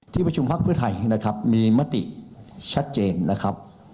ที่ประชุมพักเพื่อไทยนะครับมีมติชัดเจนนะครับ